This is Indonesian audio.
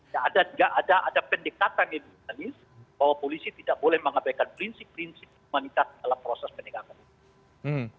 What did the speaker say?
tidak ada pendekatan yang humanis bahwa polisi tidak boleh mengabaikan prinsip prinsip humanitas dalam proses pendekatan